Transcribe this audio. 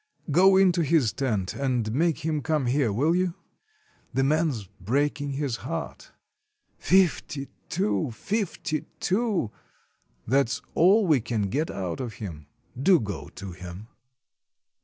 "Go into his tent and make him come here, will you? The man 's breaking his heart. ' Fifty two ! Fifty two !' that's all we can get out of him. Do go to him."